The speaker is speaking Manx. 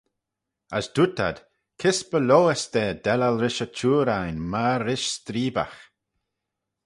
As dooyrt ad, Kys by-lhoys da dellal rish y chuyr ain, myr rish streebagh?